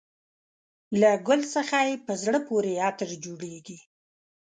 له ګل څخه یې په زړه پورې عطر جوړېږي.